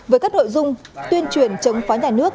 với các nội dung tuyên truyền chống phá nhà nước